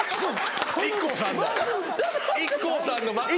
ＩＫＫＯさんのマスク。